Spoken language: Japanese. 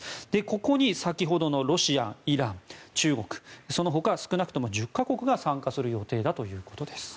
ここに先ほどのロシア、イラン、中国そのほか少なくとも１０か国が参加する予定だということです。